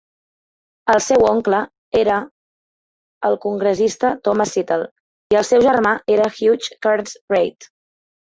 El seu oncle eral congressista Thomas Settle, i el seu germà era Hugh Kearns Reid.